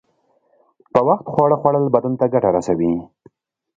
په وخت خواړه خوړل بدن ته گټه رسوي.